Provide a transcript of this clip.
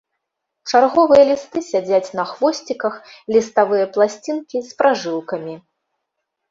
Чарговыя лісты сядзяць на хвосціках, ліставыя пласцінкі з пражылкамі.